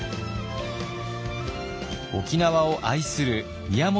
沖縄を愛する宮本